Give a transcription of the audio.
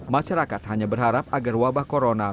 masyarakat hanya berharap agar wabah corona